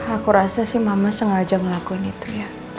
aku rasa sih mama sengaja ngelakuin itu ya